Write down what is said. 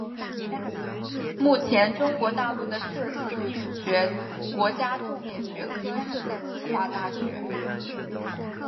目前中国大陆的设计艺术学国家重点学科设在清华大学。